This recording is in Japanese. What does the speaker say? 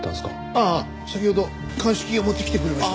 ああ先ほど鑑識が持ってきてくれました。